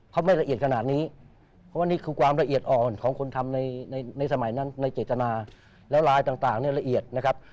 เขาไม่ละเอียดขนาดนี้เพราะว่านี่คือความละเอียดอ่อนของคนทำในในสมัยนั้นในเจตนาแล้วลายต่างเนี่ยละเอียดนะครับ